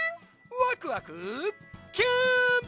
ワクワクキュン！